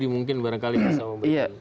mungkin barangkali mas om beritahu